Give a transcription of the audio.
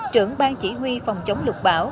trưởng ban chí huy phòng chống lực bão